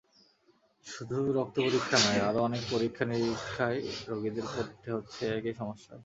শুধু রক্ত পরীক্ষা নয়, আরও অনেক পরীক্ষা-নিরীক্ষায় রোগীদের পড়তে হচ্ছে একই সমস্যায়।